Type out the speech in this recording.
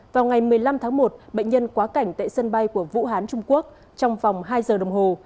vào ngày một mươi năm tháng một bệnh nhân quá cảnh tại sân bay của vũ hán trung quốc trong vòng hai giờ đồng hồ